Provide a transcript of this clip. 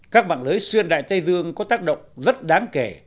các mạng lưới xuyên đại tây dương có tác động rất đáng kể